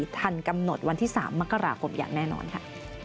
ทันกำหนดวันที่๓มกราคมอย่างแน่นอนค่ะ